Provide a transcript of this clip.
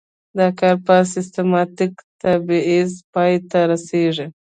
دا کار په سیستماتیک تبعیض پای ته رسیږي.